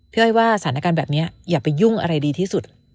อ้อยว่าสถานการณ์แบบนี้อย่าไปยุ่งอะไรดีที่สุด